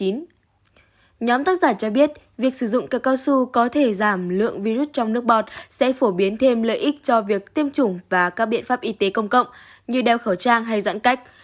nhóm tác giả cho biết việc sử dụng cơ cao su có thể giảm lượng virus trong nước bọt sẽ phổ biến thêm lợi ích cho việc tiêm chủng và các biện pháp y tế công cộng như đeo khẩu trang hay giãn cách